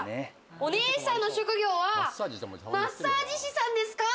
お姉さんの職業はマッサージ師さんですか？